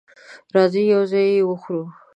راځئ یو ځای یی وخورو